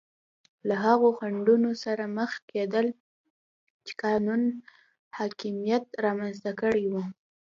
له هغو خنډونو سره مخ کېدل چې قانون حاکمیت رامنځته کړي وو.